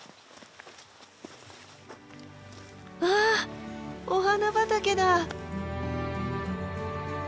わあお花畑だ！